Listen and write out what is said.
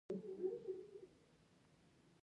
زیاتې اقتصادي او ټولنیزې ستونزې شته